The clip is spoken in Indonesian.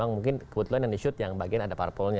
mungkin kebetulan yang di shoot yang bagian ada parpolnya